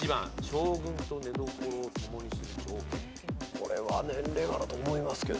これは年齢かなと思いますけど。